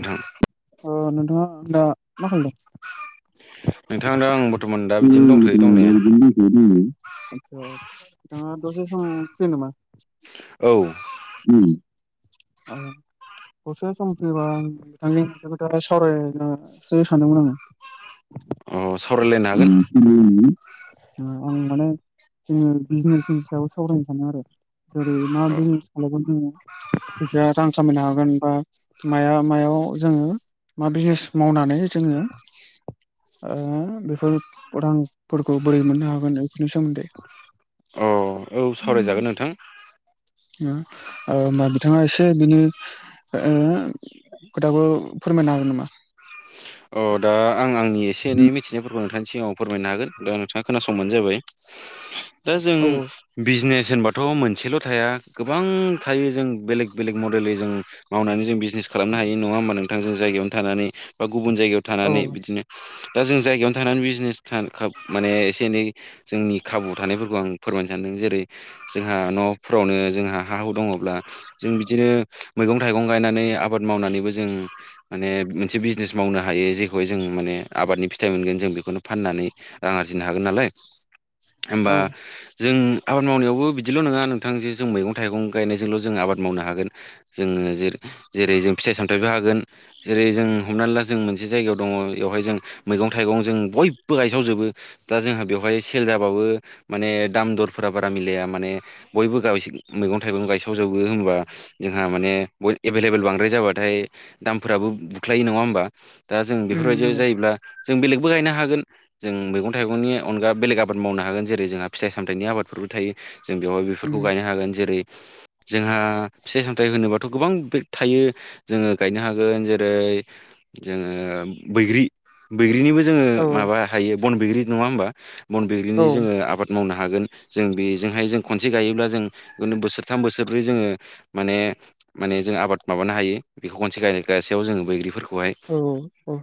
नोंथां अ नोंथाङा दा मा खालामदों। नोंथां दा आं [unintelligible] बर्थमान दा बिदिनो दंथ'यो दंनाया दङ दसे सम [unintelligible] औ उम [unintelligible] गरसे सम फैयोबा आं बिथांनि मोनखौ दा सावरायनोसो सानदोंमोन आङो। अ सावरायलायनो हागोन। आं माने जोङो बिजनेसनि सायाव सावरायनो सानदों आरो। जेरै मा बिजनेस खालामगोन जोङो फैसााया रां खामायनो हागोन बा माया मायाव जोङो मा बिजनेस मावनानै जोङो। बेफोर रांफोरखौ बोरै मोननो हागोन बेफोरनि सोमोन्दै। अ औ सावरायजागोन नोंथां। होनबा बिथाङा एसे बिनो। खोथाखौ फोरमायनो हागोन नामा? अ दा आं आंनि एसे एनै मिथिनायफोरखौ नोंथांनि सिगाङाव फोरमायनो हागोन दा नोंथाङा खोनासंबानो जाबाय। दा जों बिजनेस होनबाथ' मोनसेल' थाया गोबां थायो जों बेलेग बेलेग मडेलै जों। मावनानै जों बिजनेस खालामनो हायो नङा होमबा नोंथां जों जायगायावनो थानानै बा गुबुन जायगायाव थानानै बिदिनो। दा जों जायगायावनो थानानै बिजनेस थ माने एसे एनै जोंनि खाबु थानायफोरखौ आं फोरमायनो सानदों जेरै जोंहा न'फोरावनो जोंहा हा हु दङब्ला जों बिदिनो मैगं थाइगं गायनानै आबाद मावनानैबो जों माने मोनसे बिजनेस मावनो हायो जेखौहाय जों माने आबादनि फिथाइ मोनगोन जों बेखौनो फाननानै। रां आरजिनो हागोन नालाय होमबा? जों आबाद मावनायावबो बिदिल' नङा नोंथांजों जों मैगं थाइगं गायनायजोंल' जों आबाद मावनो हागोन। जोङो ज जेरै जों फिथाइ सामथाइबो हागोन जेरै जों हमनानै ला जों मोनसे जायगायाव दङ बेवहाय जों मैगं थाइगं जों बयबो गायसावजोबो दा जोंहा बेवहाय सेल जाबाबो माने दाम दरफोरा बारा मिलाया माने बयबो गाव मैगं थाइगं गायसाव जबो होनबा। जोंहा माने एभेलेबल बांद्राय जाबाथाय दामफोराबो बुख्लायो नङा होमबा। दा जों बेफोरबायदियाव जायोब्ला जों बेलेगबो गायनो हागोन। जों मैगं थाइगंनि अनगा बेलेग आबाद मावनो हागोन जेरै जोंहा फिथाइ सामथाइनि आबादफोरबो थायो। जों बेवहाय बेफोरखौ गायनो हागोन जेरै जोंहा फिथाइ सामथायाइ होनोबाथ' गोबां बे थायो। जोङो गायनो हागोन जेरै जोङो बैग्रि बैग्रिनिबो जोङो माबा हायो बन बैग्रि नङा होमबा? बन बिग्लिनि जोङो आबाद मावनो हागोन। जों बेजोंहाय जों खनसे गायोब्ला जोंनो बोसोरथाम बोसोरन्रै जोङो माने माने जों आबाद माबानो हायो बेखौ खनसे ग गसेयाव जोङो बैग्रिफोरखौहाय औ औ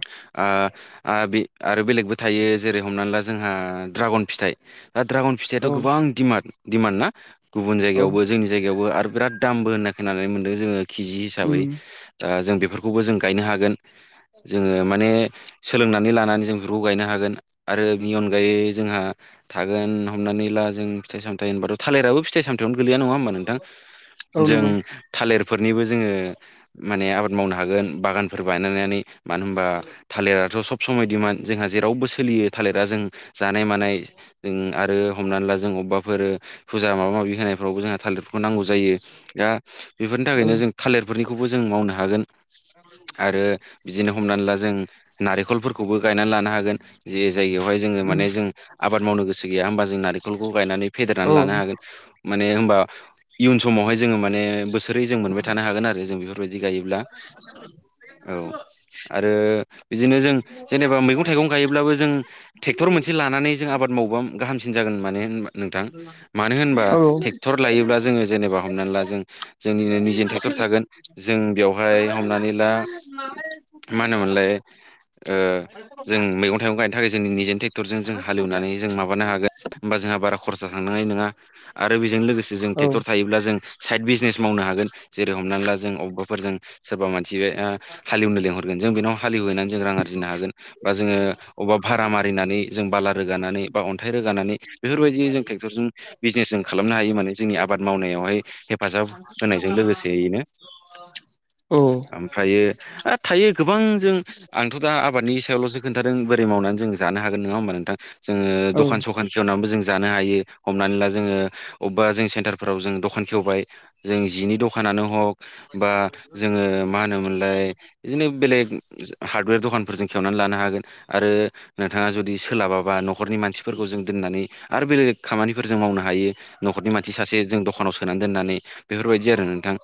बे आरो बेलेगबो थायो जेरै हमनानै ला जोंहा दड्रागन फिथाइ दा ड्रागन फिथाथ' गोबां डमान्ड ना गुबुन जायगायाव जोंनि जायायावबो आरो बिरत दामबो होन्नाय खोननानै मोन्दों जोङो केजि हिसाबै दा जों बेफोरखौबो जों गायनो हागोन जोङो माने सोलोंनानै लानानै जों बेफोरखौ गायनो हागोन आरो बिनि अनगायै जोंहा थागोन हमनानै ला जों फिथाइ सामथाय होनबाथ' थालिराबो फिथाइ सामथाइ बेथ'नो गलैया नङा होमबा नोंथां जों थालिरफोरनिबो जोङो माने आबाद मावनो हागोन बागानफोर बानायनानै मानो होनबा थालिराथ' सब समायदिमोन जोंहा जेरावबो सोलियो थालिरा जों जानाय मानाय जों आरो हमनानै ला जों अबेबाफोर फुजा माबा माबि होनायफ्रावबो जोंहा थालिरखौ नांगौ। जायो दा बेफोरनि थाखायनो जों थालिरफोरनिखौबो जों मावनो हागोन। आरो बिदिनो हमनानै ला जों नारेंखलफोरखौबो गायनानै लानो हागोन जे जायगायावहाय जोङो माने जों आबाद मावनो गोसो गैया होमबा जों नारेंखलखौ गायनानै फेदेरनानै लानो हागोन माने हबा इयुन समावहाय जोङो माने बोसोर थोरै जों मोनबाय थानो हागोन आरो जों बेफोरबायदि गायोब्ला [inaudible] औ आरो बिदिनो जों जेनेबा मैगं थाइगं गायोब्लाबो जों ट्रेक्ट'र मोनसे लानानै जों आबाद बावबा गाहामसिन जागोन मानो होना नोंथां मानो होनबा ट्रेक्टर लायोब्ला जोङो जेनेबा हमनानै ला जों जोंनिनो निजे ट्रेक्टर थागोन जों बेवहाय हमनानै ला माल ख फ मा ग होनोमोनलाय मान जों मैगं थाइगं गायनो थाखाय जों निजेनि ट्रेक्टरजों जों हालेवनानै जों माबानो हागोन होमबा जोंहा बारा खरसा थांनाय नङा आरो बेजों लोगोसे जों ट्रेक्टर थायोब्ला जों साइद बिजनेस मावनो हागोन जेरै हमनानै ला जों अबेबाफोरजों सोरबा मानसि ओ हालेवनो लिहरगोन जोंन हालेवहैनानै जों रां आरजिनो हागोन बा जोङो अबावबा भारा मारिनानै जों बाला रोगानानै बा अन्थाइ रोगानानै बेफोरबायदि जों ट्रेक्टरजों बिजनेस जों खालामनो हायो माने जोंनि आबाद मावनायावहाय हेफाजाब होनायजों लोगोसेयैनो ओमफ्रायो ह थायो गोबां जों आंथ' दा आबादनि सायावल'सो खोन्थादों बोरै मावनानै जों जानो हागोन नङा होमबा नोंथां जोङो दखान सखान खेवनानैबो जों जानो हायो हमनानै ला जोङो अबेबा जों सेन्टारफोराव जों दखान खेवबाय जों जिनि दखानानो हक बा जोङो मा होनोमोनलाय बिदिनो बेलेग हार्डवेर दखानफोरजों खेवनानै लानो हागोन आरो नोंथाङा जुदि सोलाबाबा न न'खरनि मानसिफोरखौ जों दोननानै आरो बेले बे खामानिफोर जों मावनो हायो नखरनि मानसि सासे जों दखानाव स सोनानै दोननानै बेफोरबायदि आरो नोंथां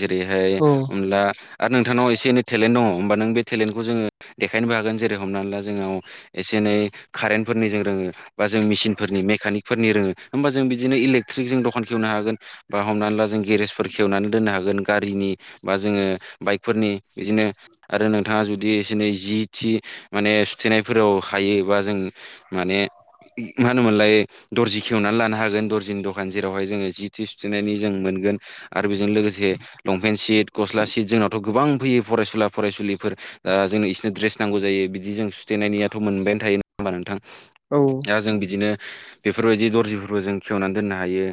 जेरैहाय अनला आरो नोंथांनाव एसे एनै टेलेन्ट दङ होमबा नों बे ेलेन्खौ जोङो देखायनो हागोन जेरै हमनानै ला जोंनाव एसे एनै कारेन्टफोरनिजों रोङो बा जों म मिसिनफोरनि मेकानिकफोरनि रोङो होमबा जों बिदिनो इलेक्ट्रिक जों दखान खेवनो हागोन बा हमनानै ला जों गेरेजफोर खेवनानै दोननो हागोन गारिनि बा जोङो बाइकफोरनि बिदिनो आरो नोंथाङा जुदि एसे एनै जि थि माने सुथेनायफोराव हायोबा जों माने म होनोमोनलाय दर्जि खेवनानै लानो हागोन दर्जिनि दखान जेरावहाय जोङो जि थ सुथेनायनि जों मोनगोन आरो बेजों लोगोसे लंपेन्ट सिट गस्ला सिट जोंनावथ' गोबां फैयो फरायसुला फरायसुलिफोर द जोंनो इसोरनो दड्रेस नांगौ जायो बिदि जों सुथेनायनियाथ' मोनबायानो थायो नङा होमबा नोंथां दा जों बिदिनो बेफोरबायदि दर्जिफोरखौ जों खेवनानै दोननो हायो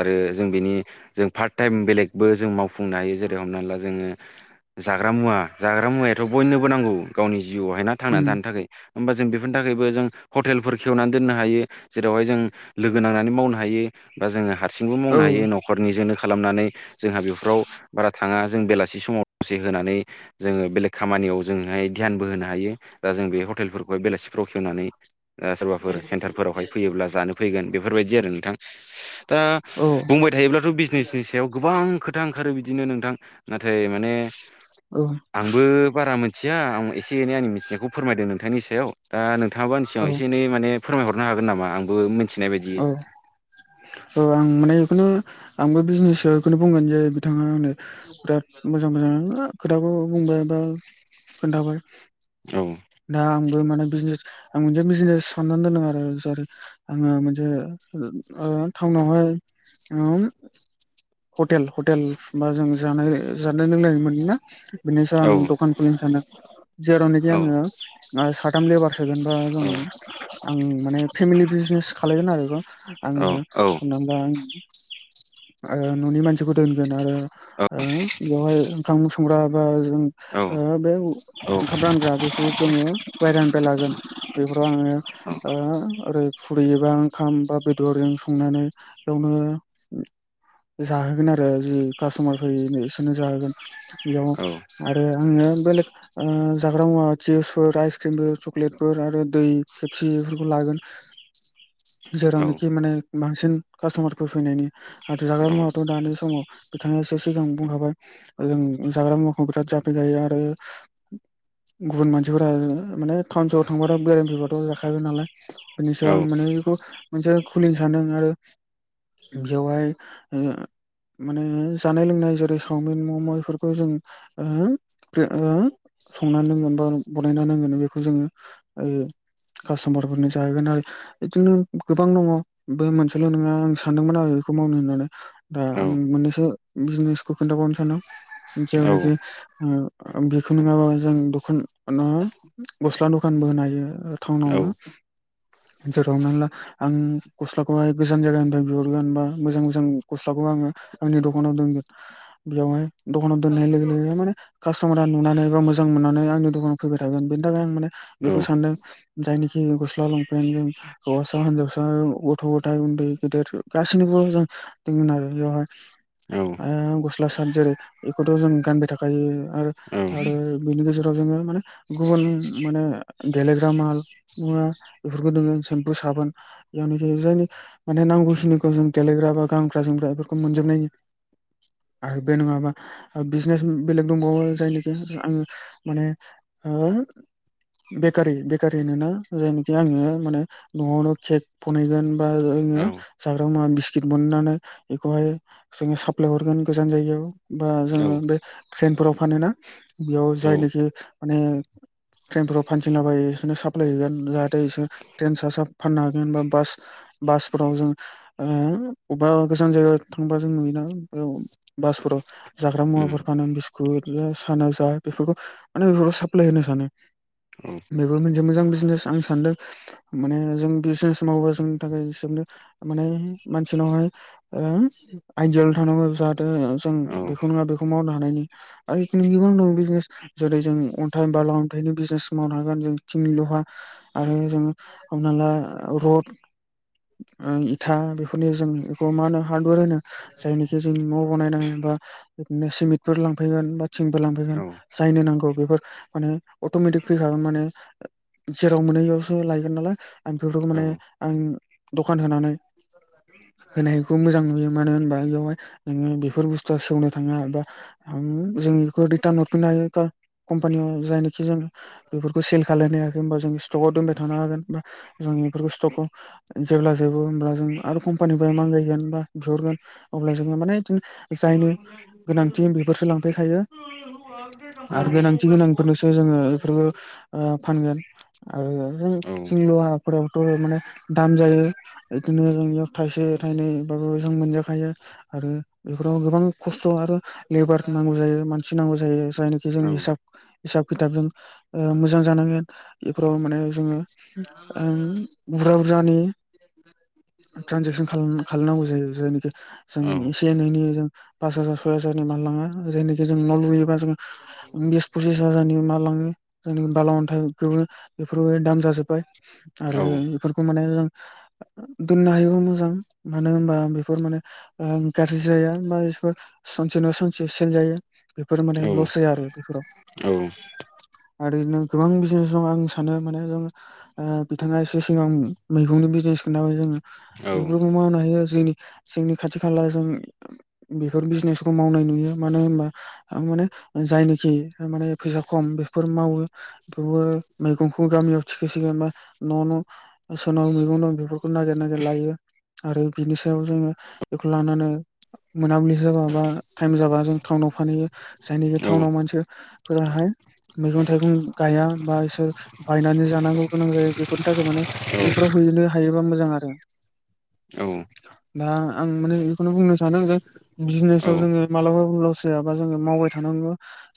आरो जों बिनि जों पार्ट टाइम बेलेगबो जों मावफुंनो हायो जेरै हमना ला जोङो जाग्रा मुवा जाग्रा मुवायाथ' बयनोबो नांगौ गावनि जिउआवहाय नना थांनानै थानो थाखाय होमबा जों बेफोरनि थाखायबो जों हटेलफोर खेवनानै दोननो हायो जेरावहाय जों लोगो नांनानै मावनो हायो बा जोङो ह हारसिंबो मावनो हायो न'खरनिजोंनो खालामनानै जोंहा बेफोराव बारा थाङा जों बेलासि समाव दसे होनानै जोङो बेलेग खामानियाव जोंहाय ध्यानबो होनो हायो दा जों बे हटेलफोरखौहाय बेलेगसिफ्राव खेवनानै सोरबाफोर सेन्टारफोरावहाय फैयोब्ला जानो फैगोन बेफोरबायदि आरो नोंथां दा बुंबाय थायोब्लाथ' बिजनेसनि सायाव गोबां खोथा ओंखारो बिदिनो नोंथां नाथाय माने आंबो बारा मोनथिया आं एसे एनै आंनि मिथिनायखौ फोरमायदों नोंथांनि सायाव दा नोंथाङाबा आनि सिगांव एसे एनै माने फोरमायहरनो हागोन नामा आंबो मिथिनाय बायदि औ आं माने बेखौनो आंबो बिजनेस बेखौनो बुंगोन जे बिथाङा है बिराद मोजां मोजां खोथाखौ बुंबाय बा खोन्थाबाय औ दा आंबो माने बिजनेस आं मोनसे बिजनेस साननानै दोनदों आरो जै आङो मोनसे टाउनावहाय हटेल हटेल बा जों जानाय जानाय लोंनाय मोन ना बेनि सायाव औ आं दखान खुलिनो सानदों जेरावनाखि औ आङो आरो साथाम लेबार सोगोनबा जों आं माने फेमिलि बिजनेस खालायगोन आरो बेखौ औ आङो औ हा हबा न'नि मानसिखौ दोनगोन आरो औ बेवहाय ओंखाम संग्रा बा जों औ बे ओंखाम रानग्रा बेफोरखौ जोङो बाय्रानिबाय लागोन बेफोराव आङो औ ओरै फुरियोबा ओंखाम बा बेदरजों संनानै बेयावनो जाहोगोन आरो जि कास्ट'मार फै बिसोरनो जाहोगोन बेयाव औ आरो आङो बेलेक जाग्रा मुवा चिउसफोर आइसक्रिमफोर चक्लेटफोर आरो दै खेपसि बेफोरखौ लागोन जेरावनोखि माने बांसिन कास्ट'मारफोर फैनायनि आरो जाग्रा मुवाथ' दानि समाव बिथाङा एसे सिगां बुंखाबाय जों जाग्रा मुवाखौ बिराद जाफायखायो आरो गुबुन मानसिफोरा माने टाउन साव थांबाथ' बेरायनो फैबाथ' जाखागोन नालाय बेनि औ सायाव आं उम माने बेखौ मोनसे खुलिनो सान्दों आरो बेवहाय माने जानाय लोंनाय जेरै सावमिन मम' बेफोरखौ जों ओहो ओहो बे संना दोनगोन बा बानायना दोनगोन बेखौ जोङो औ कास्ट'मारफोरनो जाहैगोन आरो बिदिनो गोबां दङ बे मोनसेल' नङा आं सानदोंमोन आरो बेखौ मावनो होननानै दा आं मोननैसो बिजनेसखौ खोन्थाबावनो सानदों औ जावनोखि बेखौ नङाबो जों दखान गस्ला दखानबो होन हायो टाउनावनो जेराव म ला आं गस्लाखौहाय गोजान जायगा बिहरगोनबा मोजां मोजां गस्लाखौ आङो आंनि दखानाव दोनगोन बेयावहाय दखानाव दोननाय लोगो लोगो माने कास्ट'मारा नुनानै बा मोजां मोननानै आंनि दखानाव फैबाय थागोन बेनि थाखाय आं माने औ औ बेखौ सानदों जायनिखि गस्ला लंपेन्ट जों हौवासा हिनजावसा गथ' गथाय उन्दै [unintelligible] गासैनिबो जों दोनगोन आरो बेवहाय गस्ला साद जेरै बेखौथ' जों गानबाय थाखायो आरो औ आरो बिनि गेजेराव जोङो माने गुबुन माने गेलेग्रा माल नुवा बेफोरखौ नोङो सेम्पो साबोन जेरावनाखि जायनि माने नांगौखिनिखौ जों देलायग्रा बा गानग्रा जोमग्रा बेफोरखौ मोनजोब नायनि आरो बे नङाबा बिजनेस बेलेग दंबावो जायनिखि आङो माने ओ बेकारि बेकारि होनोना जायनाखि आङो माने न'आवनो केक बनायगोन बा जोङो जाग्रा मुवा बिस्किट बननानै बेखौहाय जोङो साप्लाय हरगोन गोजान जायगायाव बा औ जोङो बे ट्रेनफोराव फानोना बेयाव जायनोखि माने ट्रेनफोराव फानथिंलाबायो बिसोरनो साप्लाय हैगोन जाहाथे बिसोर ट्रेन सा सा फाननो हागोनबा बास बास फोराव जों बबेबा गोजान जायगायाव थांबा जों नुयोना बासफोराव जाग्रा मुवाफोर फानो बिस्कुट सानो जा बेफोरखौ माने बेफोरखौ साप्लाय होनो सानो बेबो मोनसे मोजां बिजनेस आं सानदों माने जों बिजनेस मावोबा जोंनि थाखायनो माने मानसिनावहाय आयदियाल' थानांगौ जाहाथे जों बेखौ औ नङा बेखौ मावनो हानायनि आरो जिथुनिखि बुंदों बिजनेस जेरै जों अन्थाइ बाला अन्थाइनि बिजिनेस मावनो हागोन जों थिनि लहा आरो जों हमना ला रड इथा बेफोरनो जों बेखौ मा होनो हार्डवेर होनो जायनिखि जों न'आव बानायनाय बा बिदिनो सिमिन्टफोर लांफैगोन बा थिंबो लांफैगोन सायनो नांगौ बेफोर माने अट'मेटिक फैखागोन माने जेराव मोनै बेयावसो लायगोन नालाय आं बेफोरखौ माने आं दखान होनानै होनायखौ मोजां नुयो मानो होनबा बेवहाय नोङो बेफोर बुस्थुआ सौनो थाङा एबा जों बेखौ रिटार्न हरफिननो हायो कम्पानियाव जायनोखि जों बेफोरखौ सेल खालायनो हाखै होनोमबा जों स्टकआव दोनबाय थानो हागोन बा जों बेफोरखौ स्टकआव जेब्ला जेबो होमब्ला जों आरो कम्पानिफ्राय मांगायगोन बा बिहरगोन अब्ला जोङो माने बिदिनो जायनो गोनांथि बेफोरसो लांफैखायो आरो गोनांथि औ गोनांफोरनोसो जोङो बेफोरखौ फानगोन आरो जों सिंलफोरावथ' माने दाम जायो बिदिनो जोंनियाव थाइसे थाइनैबाबो जों मोनजाखायो आरो बेफोराव गोबां खस्थ' आरो लेबार नांगौ जायो मानसि नांगौ जायो जायनोखि जों हिसाब हिसाब खिथाबजों मोजां जानांगोन बेफोराव माने जोङो बुरा बुरजानि ट्रन्जेकसन खालाम खालामनांगौ जायो जायनोखि जों एसे एनैनिनो जों पास हाजार सय हाजारनि मानलाङा जेनाखि जों न' लुयोबा जों बिस फसिस हाजारनि मा लाङो जायि बाला अन्थाइखौबो बेफोरबो दान जाजोबबाय आरो बेफोरखौ माने जों दोननो हायोबो मोजां मानो होनबा बेफोर माने गाज्रि जाया मा बेफोर सनसे न' सानसे सेल जायो बेफोर माने लस जाया आरो बेफोराव औ आरो बिदिनो गोबां बिजनेस दं आं सानो माने जों बिथाङा एसे सिगां मैगंनि बिजनेस खाबो जोङो बेफोरखौ मा होननो हायो जोंनि जोंनि खाथि खाला जों बेफोर बिजनेसखौ मावनाय नुयो मानो होनबा माने जायनोखिमाने फैसा खम बेफोर मावो बेवबो मैगंखौ गामियाव थिखोसिगोन बा न' न' नाव मैगं दं बेफोरखौ नागिर नागिर लायो आरो बिनि सायाव जोङो बेखौ लानानै मोनाबिलि जाबा बा टाइम जाबा जों टाउनाव फानहैयो जायनाखि टाउनाव मानसि फोराहाय मैगं थाइगं गाया बा इसोर बायनानै जानांगौ गोनां जायो बेफोरनि थाखाय माने बेफोराव हैनो हायोबा मोजां आरो औ दा आं माने बेखौनो बुंनो सानदों जे बिजनेसाव जोङो मालाबाो लस जायाबा जोङो मावबाय थानांगौ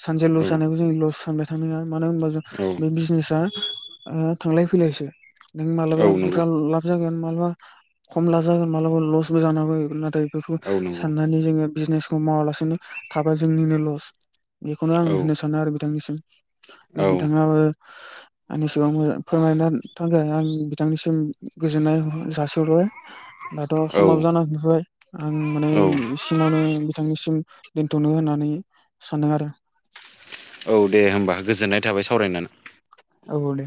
सानसे लस जानायखौ जों लस सानबाय थानोङा मानो होनबा जों औ बे बिजनेसा थांलाय फैलायसो नों औ माबलाबा नंगौ बुरजा लाब जागोन मालाबा खम लााज म लसबो जानांगौ औ नंगौ साननानै जोङो बिजनेसखौ मावालासिनो थाबाय जोंनिनो लस बेखौनो आं औ होननो सानो आरो बिथांनिसिम दा औ बिथाङाबो आंनि सिगां मोजां फोरमायना थोन आं बिथांनिसिम गोजोननाय जासहबाय दाथ' औ समाब जान हैबाय आं माने औ सिमावनो बिथांनिसिम दोनथ'नो होननानै सानदों आरो औ दे होमबा गोजोननाय थाबाय सावरायनानै औ दे